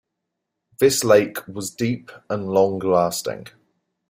This lake was deep and long lasting.